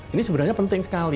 ini sebenarnya penting